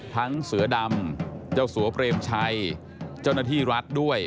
เสือดำเจ้าสัวเปรมชัยเจ้าหน้าที่รัฐด้วย